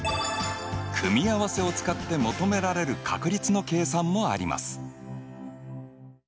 組み合わせを使って求められる確率の計算もあります。